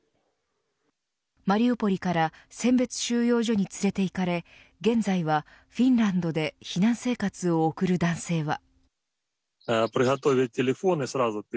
マリウポリから選別収容所に連れて行かれ現在はフィンランドで避難生活を送る男性は。